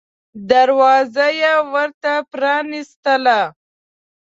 دروازه یې ورته پرانیستله.